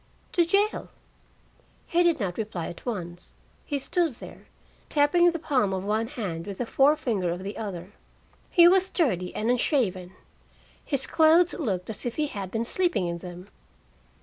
"To jail." He did not reply at once. He stood there, tapping the palm of one hand with the forefinger of the other. He was dirty and unshaven. His clothes looked as if he had been sleeping in them.